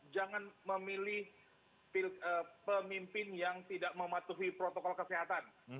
jangan memilih pemimpin yang tidak mematuhi protokol kesehatan